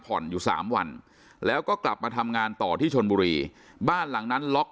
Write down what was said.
อยู่สามวันแล้วก็กลับมาทำงานต่อที่ชนบุรีบ้านหลังนั้นล็อก